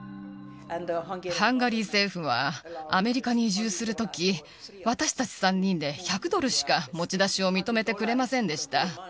ハンガリー政府は、アメリカに移住するとき、私たち３人で、１００ドルしか持ち出しを認めてくれませんでした。